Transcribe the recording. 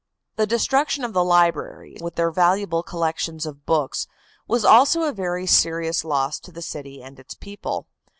The destruction of the libraries, with their valuable collections of books, was also a very serious loss to the city and its people.